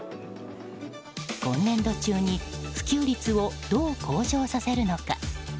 今年度中に普及率をどう向上させるのか。